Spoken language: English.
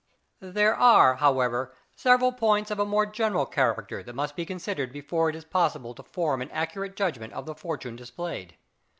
There are, however, several points of a more general character that must be considered before it is possible to form an accurate judgment of the fortune displayed.